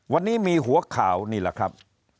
วันนี้มีหัวข่าวนี่แหละครับ